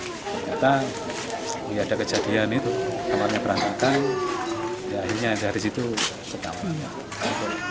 ternyata ada kejadian itu kamarnya berantakan akhirnya dari situ ketahuan